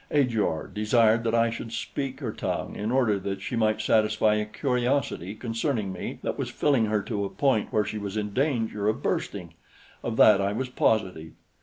Ajor desired that I should speak her tongue in order that she might satisfy a curiosity concerning me that was filling her to a point where she was in danger of bursting; of that I was positive.